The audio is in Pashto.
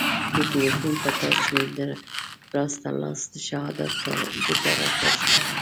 د تیلیفون په ټچ مې د راسته لاس د شهادت ګوته را کش کړه.